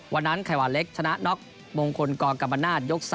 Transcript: วันนั้นไขวัลเล็กชนะน็อกมงคลกรกับบรรนาศยก๓